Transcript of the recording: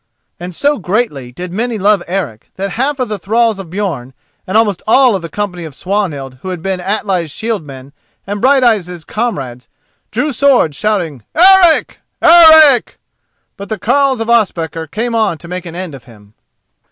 And so greatly did many love Eric that half of the thralls of Björn, and almost all of the company of Swanhild who had been Atli's shield men and Brighteyes' comrades, drew swords, shouting "Eric! Eric!" But the carles of Ospakar came on to make an end of him.